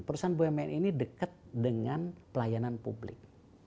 perusahaan bumn ini dekat dengan pelayanan publik